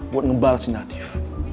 buat ngebalas si nadif